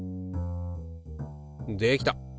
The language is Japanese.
できた！